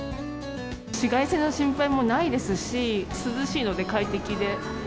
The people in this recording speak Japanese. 紫外線の心配もないですし、涼しいので快適で。